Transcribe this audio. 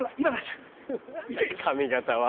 何髪形は。